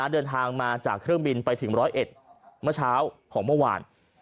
เดินทางมาจากเครื่องบินไปถึง๑๐๑เมื่อเช้าของเมื่อวาน